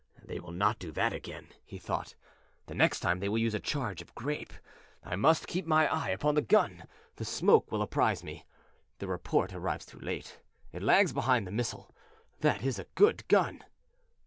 "They will not do that again," he thought; "the next time they will use a charge of grape. I must keep my eye upon the gun; the smoke will apprise me the report arrives too late; it lags behind the missile. That is a good gun."